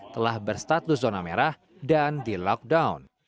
telah berstatus zona merah dan di lockdown